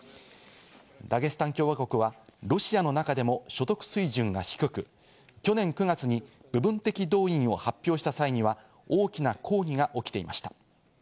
ダゲスタン共和国はロシアの中でも所得水準が低く、去年９月に部分的動員を発表した際には大きな抗議が起きていました。